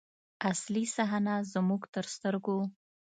اصلي صحنه زموږ تر سترګو.